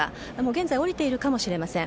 現在、降りているかもしれません。